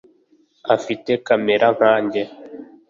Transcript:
afite kamera nkanjye